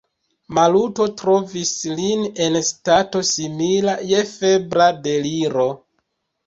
Maluto trovis lin en stato, simila je febra deliro.